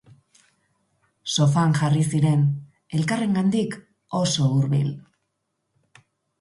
Sofan jarri ziren, elkarrengandik oso hurbil.